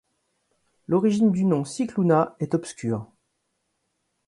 L'origine du nom Scicluna est obscure.